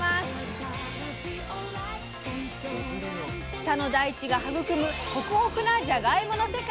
北の大地が育むホクホクなじゃがいもの世界をお届けします！